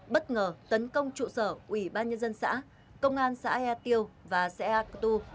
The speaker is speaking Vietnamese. bất ngờ tấn công trụ sở ủy ban nhân dân xã công an xã ea tiêu và xã ea cơ tu